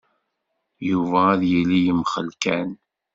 Yuba ad yili yemxell kan!